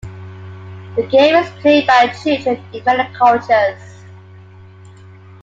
The game is played by children in many cultures.